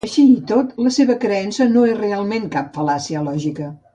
Així i tot, la seva creença no és realment cap fal·làcia lògica.